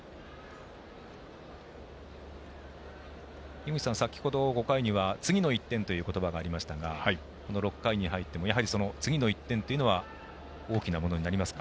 井口さん、先ほど５回には次の１点という言葉がありましたがこの６回に入っても次の１点というのは大きなものになりますか？